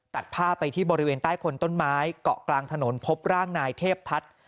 ตัดผ้าไปที่บริเวณใต้คนต้นไม้เกาะกลางถนนพบร่างนายเทพทัศน์